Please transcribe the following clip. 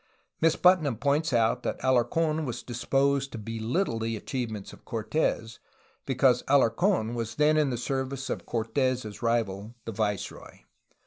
Miss Putnam points out that Alarc6n was disposed to belittle the achievements of Cortes, because Alarc6n was then in the service of Cortes' rival, the viceroy.